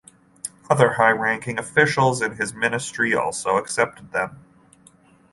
Other high-ranking officials in his Ministry also accepted them.